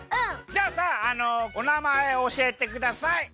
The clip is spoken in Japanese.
じゃあさお名前おしえてください。